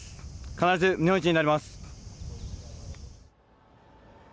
必ず日本一になります。